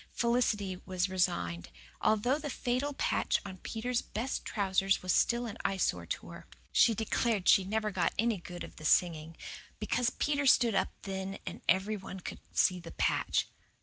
Felicity was resigned, although the fatal patch on Peter's best trousers was still an eyesore to her. She declared she never got any good of the singing, because Peter stood up then and every one could see the patch.